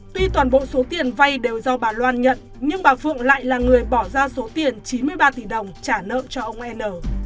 tuy toàn bộ số tiền vay đều do bà loan nhận nhưng bà phượng lại là người bỏ ra số tiền chín mươi ba tỷ đồng trả nợ cho ông n